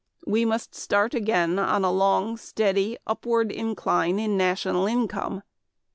We must start again on a long steady upward incline in national income.